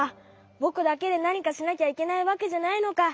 ぼくだけでなにかしなきゃいけないわけじゃないのか。